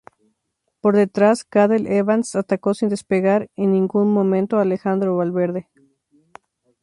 Por detrás Cadel Evans atacó sin despegar en ningún momento a Alejandro Valverde.